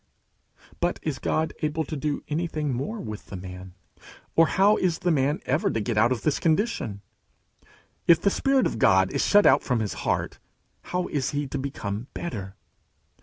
But is God able to do anything more with the man? Or how is the man ever to get out of this condition? If the Spirit of God is shut out from his heart, how is he to become better?